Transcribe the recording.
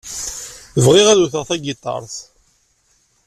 Bɣiɣ ad wteɣ tagiṭart.